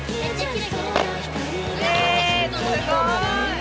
すごい。